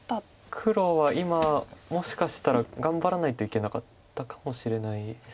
黒は今もしかしたら頑張らないといけなかったかもしれないです。